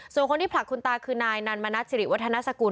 ส่วนคนที่ผลักคุณตาคือนายนันมณัฐศิริวัฒนสกุล